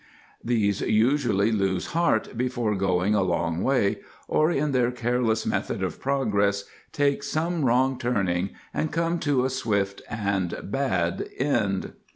These usually lose heart before going a great way, or in their careless method of progress take some wrong turning and come to a swift and bad end.